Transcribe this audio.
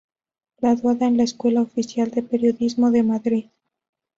Graduada en la Escuela Oficial de Periodismo de Madrid.